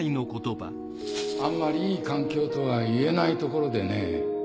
あんまりいい環境とは言えないところでね